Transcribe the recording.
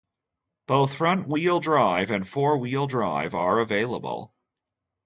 Both front-wheel drive and four-wheel drive are available.